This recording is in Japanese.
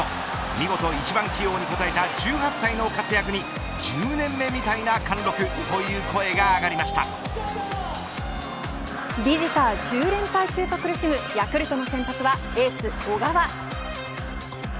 見事１番起用に応えた１８歳の活躍に１０年目みたいな貫禄ビジター１０連敗中と苦しむヤクルトの先発はエース小川。